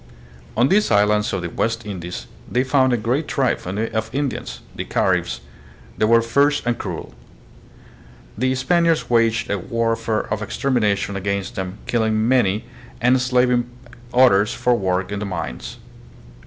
On these islands of the West Indies they found a great tribe of Indians, the Caribs. They were fierce and cruel. The Spaniards waged a war ' fare of extermination against them, killing many, and en slaving others for work in the mines.